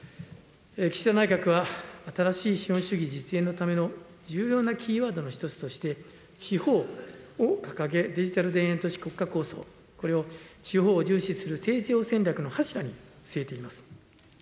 岸田内閣は新しい資本主義実現のための重要なキーワードの一つとして、地方を掲げ、デジタル田園都市国家構想、これを地方を重視する成長戦略の柱に据えています。